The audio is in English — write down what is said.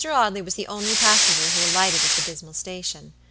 Audley was the only passenger who alighted at the dismal station.